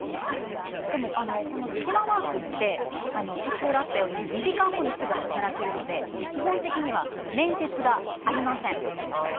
でも、このスキマワーク先ほどあったように２時間後にすぐに働けるので基本的には面接がありません。